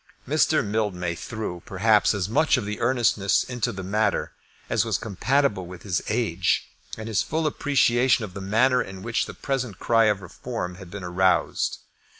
Mr. Mildmay threw, perhaps, as much of earnestness into the matter as was compatible with his age and his full appreciation of the manner in which the present cry for Reform had been aroused.